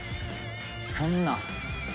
そんな。